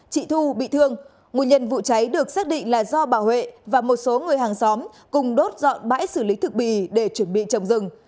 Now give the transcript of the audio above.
chị thu bị thương nguồn nhân vụ cháy được xác định là do bà huệ và một số người hàng xóm cùng đốt dọn bãi xử lý thực bì để chuẩn bị trồng rừng